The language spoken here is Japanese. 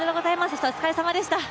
そしてお疲れさまでした。